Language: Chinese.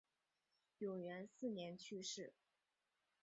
永元四年去世。